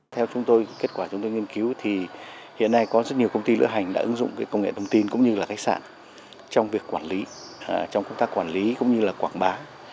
theo kết quả chúng tôi nghiên cứu thì hiện nay có rất nhiều công ty lữ hành đã ứng dụng công nghệ thông tin cũng như là khách sạn trong việc quản lý trong công tác quản lý cũng như là quảng bá